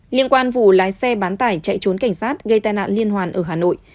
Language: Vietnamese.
liên quan vụ lái xe bán tải chạy trốn cảnh sát gây tai nạn liên hoàn ở hà nội